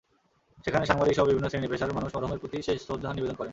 সেখানে সাংবাদিকসহ বিভিন্ন শ্রেণি-পেশার মানুষ মরহুমের প্রতি শেষ শ্রদ্ধা নিবেদন করেন।